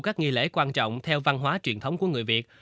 các nghi lễ quan trọng theo văn hóa truyền thống của người việt